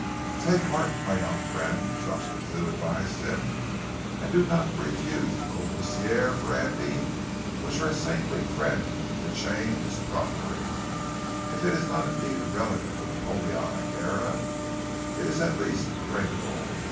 "Take heart, my young friend," Jocelyn Thew advised him, "and do not refuse the Courvoisier brandy which our saintly friend with the chain is proffering. If it is not indeed a relic of the Napoleonic era, it is at least drinkable.